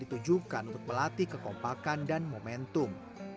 ditujukan untuk melatih kekompakan dan momentum